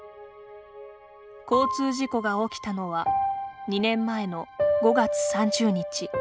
交通事故が起きたのは２年前の５月３０日。